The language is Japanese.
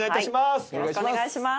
よろしくお願いします。